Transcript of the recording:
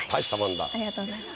ありがとうございます。